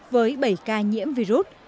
với bảy ca nhiễm virus